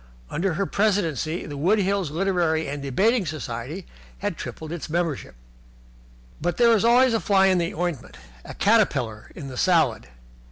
Under her presidency the Wood Hills Literary and Debating Society had tripled its membership. But there is always a fly in the ointment, a caterpillar in the salad.